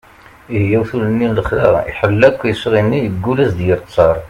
ihi awtul-nni n lexla iḥellel akk isɣi-nni yeggul ad as-d-yerr ttar